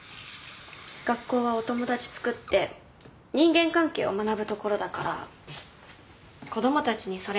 学校はお友達つくって人間関係を学ぶ所だから子供たちにそれ